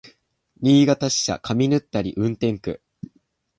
新潟支社上沼垂運転区